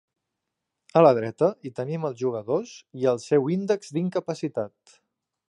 A la dreta hi tenim els jugadors i el seu índex d'incapacitat.